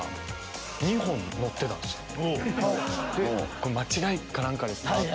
これ間違いか何かですか？